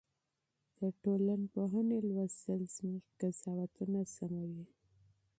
د ټولنپوهنې مطالعه زموږ قضاوتونه سموي.